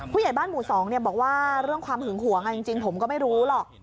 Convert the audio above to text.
ผู้ใหญ่บ้านหมู่๒บอกว่าเรื่องความหึงหวงจริงผมก็ไม่รู้หรอก